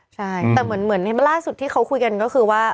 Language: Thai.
ใช่แต่เหมือนล่าสุดที่เขาคุยกันก็คือว่า